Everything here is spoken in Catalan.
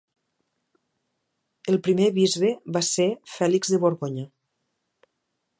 El primer bisbe va ser Fèlix de Borgonya.